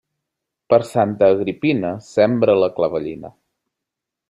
Per Santa Agripina sembra la clavellina.